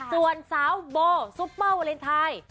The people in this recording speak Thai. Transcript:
ส่วนสาวโบซุปเปอร์วาเลนไทย